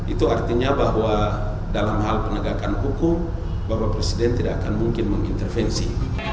itu artinya bahwa dalam hal penegakan hukum bapak presiden tidak akan mungkin mengintervensi